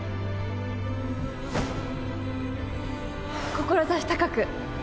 志高く！